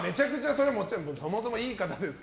そもそも、いい方です。